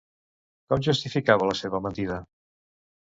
Com justificava la seva mentida?